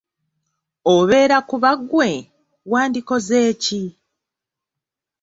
Obeera kuba ggwe, wandikoze ki?